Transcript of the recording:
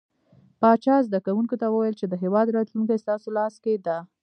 پاچا زده کوونکو ته وويل چې د هيواد راتلونکې ستاسو لاس کې ده .